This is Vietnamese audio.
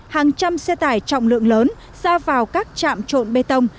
hàng trăm xe tải trọng lượng lớn ra vào các trạm trộn bê tông